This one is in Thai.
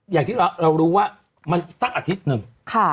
อย่างที่เรารู้ว่ามันตั้งอาทิตย์หนึ่ง